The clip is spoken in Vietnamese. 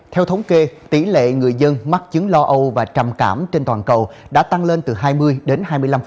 theo thống kê tỷ lệ người dân mắc chứng lo âu và trầm cảm trên toàn cầu đã tăng lên từ hai mươi đến hai mươi năm